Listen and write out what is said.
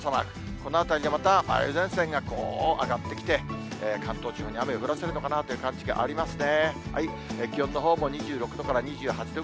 このあたりでまた梅雨前線がこう上がってきて、関東地方に雨を降らせるのかなという感じがありますね。